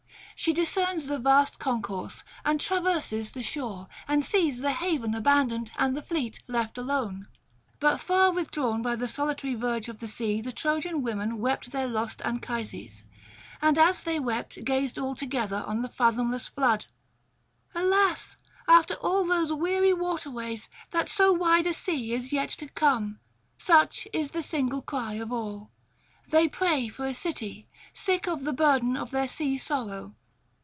She discerns the vast concourse, and traverses the shore, and sees the haven abandoned and the fleet left alone. But far withdrawn by the solitary verge of the sea the Trojan women wept their lost Anchises, and as they wept gazed all together on the fathomless flood. 'Alas! after all those weary waterways, that so wide a sea is yet to come!' such is the single cry of all. They pray for a city, sick of the burden of their sea sorrow.